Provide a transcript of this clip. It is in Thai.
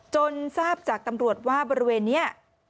ทราบจากตำรวจว่าบริเวณนี้